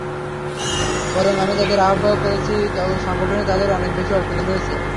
বরং আমি যাঁদের আহ্বায়ক করেছি সংগঠনে তাঁদের অনেক বেশি অবদান রয়েছে।